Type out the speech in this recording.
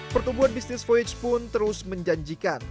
pertumbuhan bisnis voyage pun terus menjanjikan